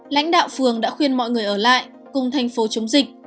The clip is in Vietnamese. lãnh đạo phường đã khuyên mọi người ở lại cùng thành phố chống dịch